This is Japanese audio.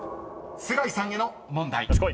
須貝さんへの問題］